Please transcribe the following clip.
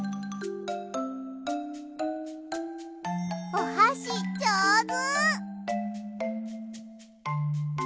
おはしじょうず！